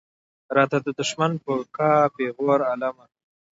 راته دښمن به کا پېغور عالمه.